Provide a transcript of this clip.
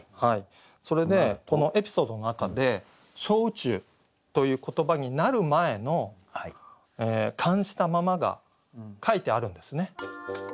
それでこのエピソードの中で「小宇宙」という言葉になる前の「感じたまま」が書いてあるんですね。